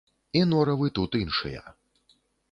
І норавы тут іншыя.